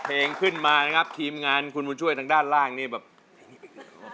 เพลงขึ้นมานะครับทีมงานคุณบุญช่วยทางด้านล่างนี่แบบ